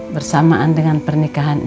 bersamaan dengan pernikahan cuy